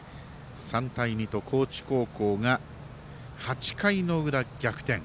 ３対２と高知高校が８回の裏、逆転。